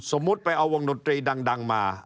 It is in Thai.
สมมุติไปเอาวงดนตรีดังมา